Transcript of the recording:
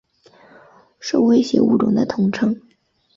受威胁物种的统称。